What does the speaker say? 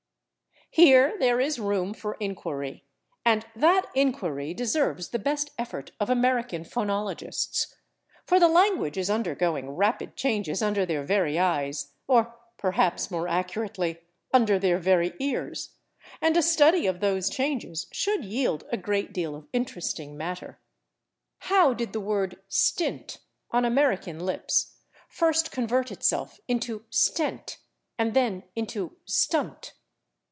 Here there is room for inquiry, and that inquiry deserves the best effort of American phonologists, for the language is undergoing rapid changes under their very eyes, or, perhaps more accurately, under their very ears, and a study of those changes should yield a great deal of interesting matter. How did the word /stint/, on American lips, first convert itself into /stent/ and then into /stunt